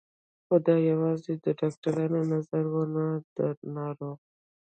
خو دا يوازې د ډاکترانو نظر و نه د ناروغ.